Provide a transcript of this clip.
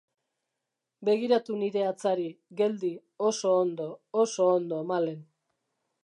Begiratu nire hatzari, geldi, oso ondo, oso ondo, Malen.